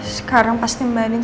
sekarang pasti mba adin